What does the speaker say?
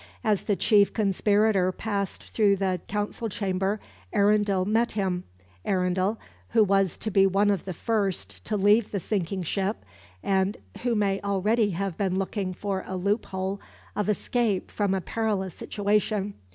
As the chief conspirator passed through the Council chamber Arundel met him Arundel, who was to be one of the first to leave the sinking ship, and who may already have been looking for a loophole of escape from a perilous situation.